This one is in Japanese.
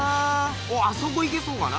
おっあそこ行けそうかな。